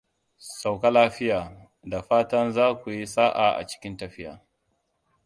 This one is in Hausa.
Sauka lafiya! Da fatan za ku yi sa'a a cikin tafiya.